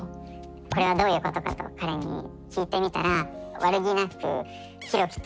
「これはどういうことか？」と彼に聞いてみたら悪気なくっていう話を聞いて。